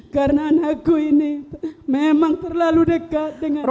karena anakku ini memang terlalu dekat dengan ibunya